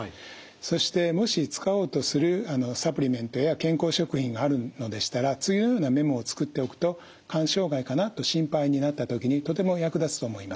そしてもし使おうとするサプリメントや健康食品があるのでしたら次のようなメモを作っておくと肝障害かなと心配になった時にとても役立つと思います。